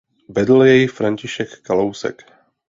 Vedl jej František Kalousek.